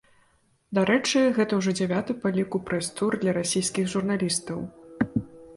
Дарэчы, гэта ўжо дзявяты па ліку прэс-тур для расійскіх журналістаў.